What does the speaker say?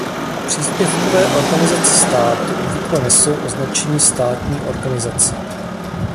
Příspěvkové organizace státu obvykle nesou označení státní organizace.